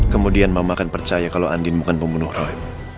kemudian mama akan percaya kalau andin bukan pembunuh roy